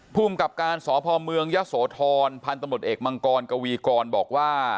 ภูมิกับการสพเมืองยะโสธรพันธมตเอกมังกรกวีกรบอกว่า